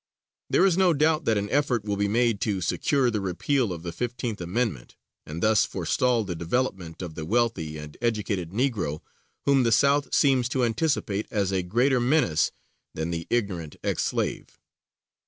There is no doubt that an effort will be made to secure the repeal of the Fifteenth Amendment, and thus forestall the development of the wealthy and educated Negro, whom the South seems to anticipate as a greater menace than the ignorant ex slave.